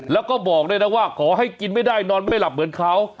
แล้วก็บอกด้วยนะว่าขอให้กินไม่ได้นอนไม่หลับเหมือนเขา